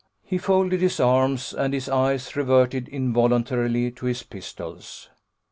He folded his arms, and his eyes reverted involuntarily to his pistols.